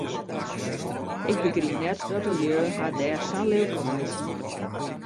Ik begryp net dat de lju har dêr sa lilk om meitsje.